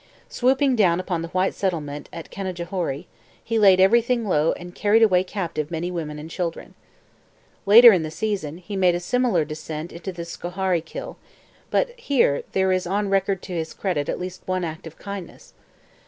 Swooping down upon the white settlement at Canajoharie, he laid everything low and carried away captive many women and children. Later in the season he made a similar descent into the Schoharie kill, but here there is on record to his credit at least one act of kindness.